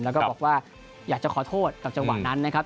แล้วก็บอกว่าอยากจะขอโทษกับจังหวะนั้นนะครับ